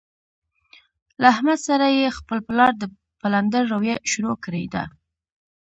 له احمد سره یې خپل پلار د پلندر رویه شروع کړې ده.